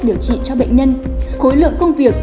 điều trị cho bệnh nhân khối lượng công việc